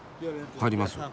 入ります。